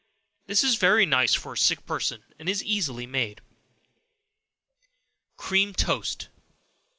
This is very nice for a sick person, and is easily made. Cream Toast.